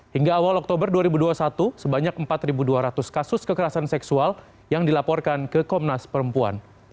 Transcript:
hingga awal oktober dua ribu dua puluh satu sebanyak empat dua ratus kasus kekerasan seksual yang dilaporkan ke komnas perempuan